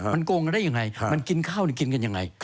มันโกงได้อย่างไรมันกินข้าวกินกันอย่างไร